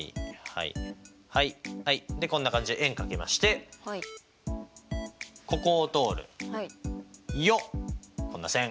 でこんな感じで円が描けましてここを通るよっこんな線。